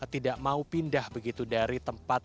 tidak mau pindah begitu dari tempat